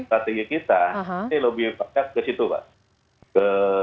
kategori kita lebih ke situ mbak